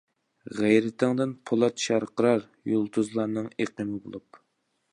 غەيرىتىڭدىن پولات شارقىرار، يۇلتۇزلارنىڭ ئېقىمى بولۇپ.